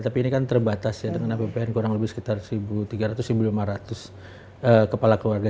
tapi ini kan terbatas ya dengan apbn kurang lebih sekitar satu tiga ratus lima ratus kepala keluarga